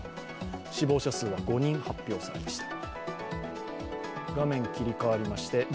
死亡者数は５人発表されました。